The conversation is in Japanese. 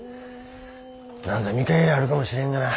なんぞ見返りあるかもしれんがな。